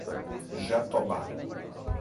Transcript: Jatobá